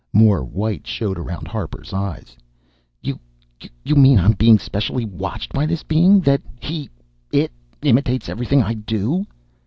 More white showed around Harper's eyes. "You you mean I am being specially watched by this Being that He It imitates everything I do...?"